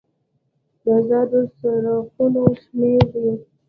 د ازادو څرخونو شمیر دی.